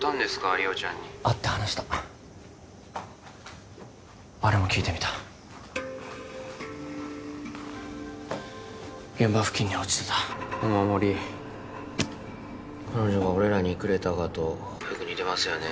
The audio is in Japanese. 梨央ちゃんに会って話したあれも聞いてみた現場付近に落ちてたお守り彼女が俺らにくれたがとよく似てますよね